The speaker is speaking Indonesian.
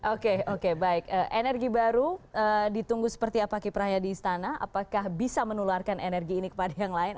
oke oke baik energi baru ditunggu seperti apa kiprahnya di istana apakah bisa menularkan energi ini kepada yang lain